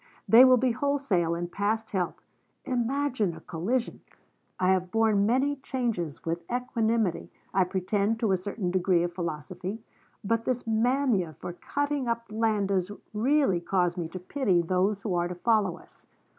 They will be wholesale and past help. Imagine a collision! I have borne many changes with equanimity, I pretend to a certain degree of philosophy, but this mania for cutting up the land does really cause me to pity those who are to follow us.